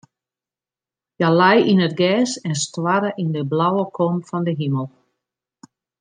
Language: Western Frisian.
Hja lei yn it gers en stoarre yn de blauwe kom fan de himel.